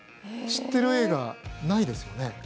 知ってる映画、ないですよね。